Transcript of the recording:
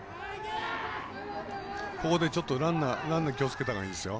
ここで、ランナー気をつけたほうがいいですよ。